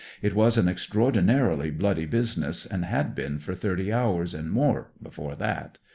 It was an extraordinarily bloody business, and had been for thirty hours and more before that.